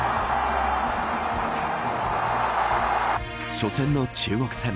初戦の中国戦。